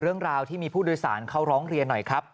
เรื่องราวที่มีผู้โดยสารเขาร้องเรียนหน่อยครับ